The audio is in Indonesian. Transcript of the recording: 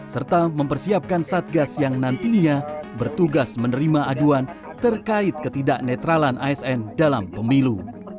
serta mempersiapkan satgas yang nantinya bertugas menerima aduan terkait ketidak netralan asn dalam pemilu